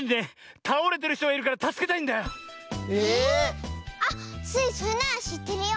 ええ⁉あっスイそれならしってるよ。